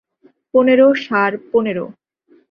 পনেরো, সার, পনেরো?